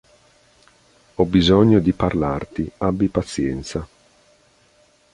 Ho bisogno di parlarti, abbi pazienza.